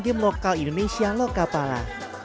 game lokal indonesia lokapala